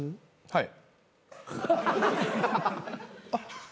はい。